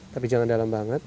tapi jangan dalam banget